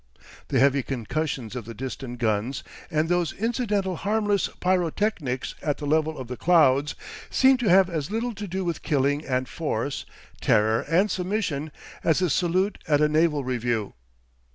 The heavy concussions of the distant guns and those incidental harmless pyrotechnics at the level of the clouds seemed to have as little to do with killing and force, terror and submission, as a salute at a naval review.